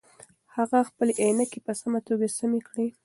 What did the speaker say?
هغه خپلې عینکې په سمه توګه سمې کړې.